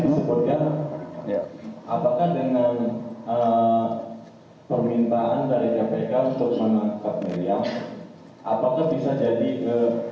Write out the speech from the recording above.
untuk kecepatan setelah ini kita akan antar sudari mariam ke kpk